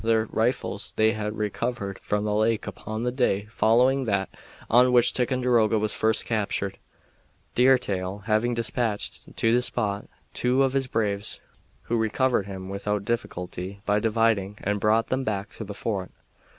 Their rifles they had recovered from the lake upon the day following that on which Ticonderoga was first captured; Deer Tail having dispatched to the spot two of his braves, who recovered them without difficulty, by diving, and brought them back to the fort.